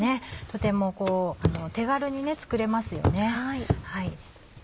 とても手軽に作れますよね。